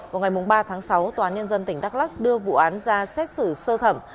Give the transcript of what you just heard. vào ngày ba tháng sáu tòa nhân dân tỉnh đắk lắc đưa vụ án ra xét xử sơ thẩm